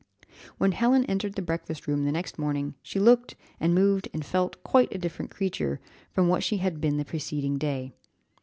When Helen entered the breakfast room the next morning, she looked, and moved, and felt, quite a different creature from what she had been the preceding day.